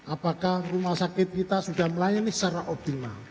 apakah rumah sakit kita sudah melayani secara optimal